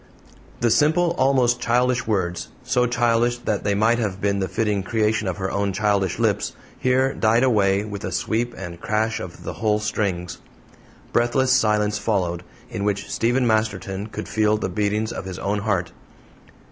The simple, almost childish words so childish that they might have been the fitting creation of her own childish lips here died away with a sweep and crash of the whole strings. Breathless silence followed, in which Stephen Masterton could feel the beatings of his own heart.